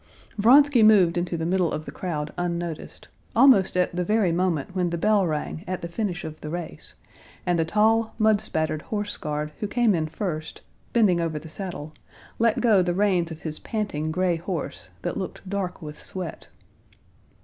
Vronsky moved into the middle of the crowd unnoticed, almost at the very moment when the bell rang at the finish of the race, and the tall, mudspattered horse guard who came in first, bending over the saddle, let go the reins of his panting gray horse that looked dark with sweat.